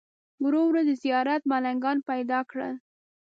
ورو ورو دې زیارت ملنګان پیدا کړل.